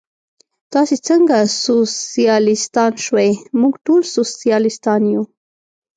تاسې څنګه سوسیالیستان شوئ؟ موږ ټول سوسیالیستان یو.